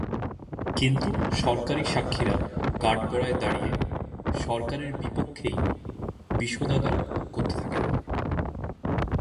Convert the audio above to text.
কিন্তু সরকারি সাক্ষীরা কাঠগড়ায় দাঁড়িয়ে সরকারের বিপক্ষেই বিষোদ্গার করতে থাকেন।